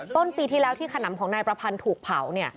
ต้นปีที่แล้วที่ขนำของนายประพันธ์ถูกเผาเนี่ย